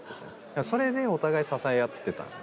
それでお互い支え合ってた。